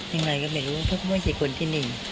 ยังไงก็ไม่รู้เพราะพวกมันไม่ใช่คนที่นี่